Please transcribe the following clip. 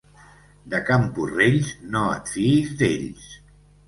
De Camporrells, no et fiïs d'ells.